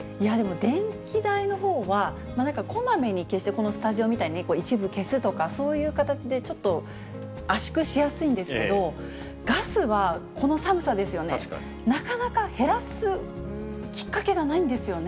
電気代のほうは、こまめに消して、このスタジオみたいに、一部消すとか、そういう形でちょっと圧縮しやすいんですけど、ガスはこの寒さですよね、なかなか減らすきっかけがないんですよね。